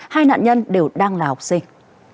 hai nạn nhân đều đang là học sinh